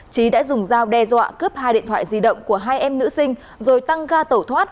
trí đã dùng dao đe dọa cướp hai điện thoại di động của hai em nữ sinh rồi tăng ga tẩu thoát